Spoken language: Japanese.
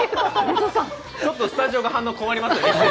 ちょっとスタジオが反応が困りますよね。